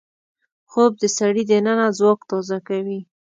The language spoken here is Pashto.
خوب د سړي دننه ځواک تازه کوي